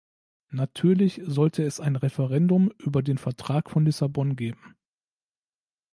Natürlich sollte es ein Referendum über den Vertrag von Lissabon geben.